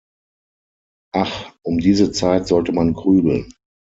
Ach, um diese Zeit sollte man grübeln.